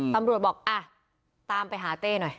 ตำรวจบอกอ่ะตามไปหาเต้หน่อย